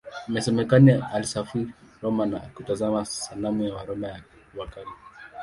Inasemekana alisafiri Roma na kutazama sanamu za Waroma wa Kale.